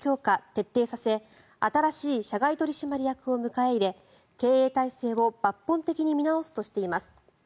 ・徹底させ新しい社外取締役を迎え入れ経営体制を抜本的に見直すとしています。